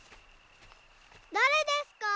だれですか？